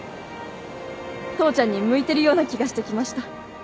父ちゃんに向いてるような気がしてきました。